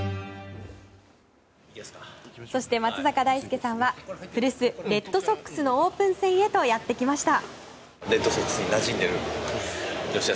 そして松坂大輔さんは古巣レッドソックスのオープン戦へとやってきました。